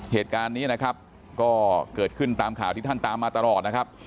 เหตุการณ์นี้นะครับก็เกิดขึ้นตามข่าวที่ท่านตามมาตลอดนะครับ